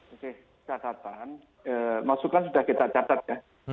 oke catatan masukan sudah kita catat ya